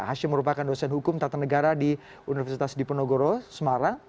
hashim merupakan dosen hukum tata negara di universitas diponegoro semarang